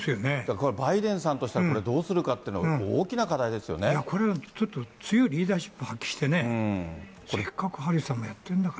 これバイデンさんとしては、これ、どうするかっていうの、大いや、これは強いリーダーシップ発揮してね、せっかくハリスさんもやってるんだからね。